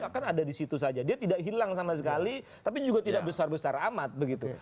bahkan ada di situ saja dia tidak hilang sama sekali tapi juga tidak besar besar amat begitu